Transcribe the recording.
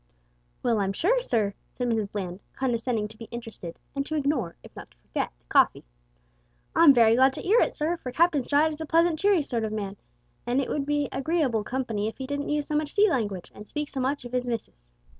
"Well, I'm sure, sir," said Mrs Bland, condescending to be interested, and to ignore, if not to forget, the coffee, "I'm very glad to 'ear it, sir, for Captain Stride is a pleasant cheery sort of man, and would be agreeable company if 'e didn't use so much sea langwidge, and speak so much of 'is missis.